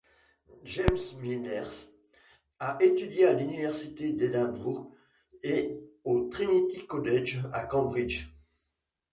James Mirrlees a étudié à l'université d'Édimbourg et au Trinity College à Cambridge.